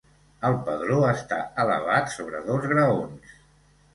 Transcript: El padró està elevat sobre dos graons.